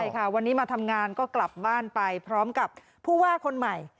ใช่ค่ะวันนี้มาทำงานก็กลับบ้านไปพร้อมกับผู้ว่าคนใหม่